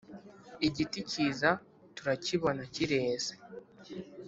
Igiti kiza turakibona kireze